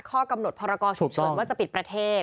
ข้อกำหนดพรกรฉุกเฉินว่าจะปิดประเทศ